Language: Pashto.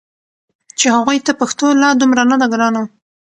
چې هغوی ته پښتو لا دومره نه ده ګرانه